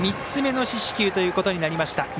３つ目の四死球ということになりました。